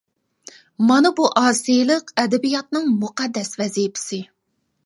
مانا بۇ ئاسىيلىق ئەدەبىياتىنىڭ مۇقەددەس ۋەزىپىسى.